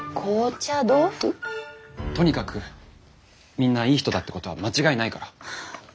とにかくみんないい人だってことは間違いないから。